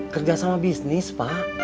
kerja sama bisnis pak